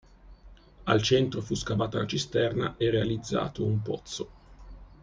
Al centro fu scavata una cisterna e realizzato un pozzo.